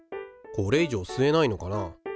これ以上吸えないのかな。